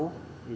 cho bệnh viện